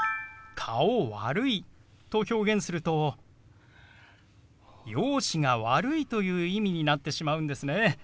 「顔悪い」と表現すると容姿が悪いという意味になってしまうんですね。